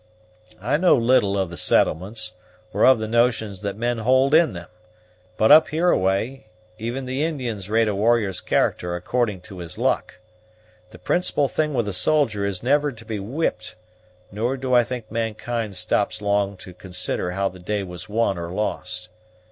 I know little of the settlements, or of the notions that men hold in them; but up hereaway even the Indians rate a warrior's character according to his luck. The principal thing with a soldier is never to be whipt; nor do I think mankind stops long to consider how the day was won or lost.